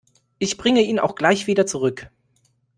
Ich bringe ihn auch gleich wieder zurück.